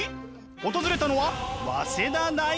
訪れたのは早稲田大学。